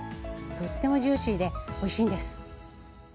とってもジューシーでおいしいんです。